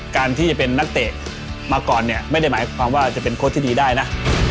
การที่จะเป็นนักเตะมาก่อนเนี่ยไม่ได้หมายความว่าจะเป็นโค้ชที่ดีได้นะ